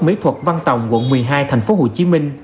mỹ thuật văn tòng quận một mươi hai tp hcm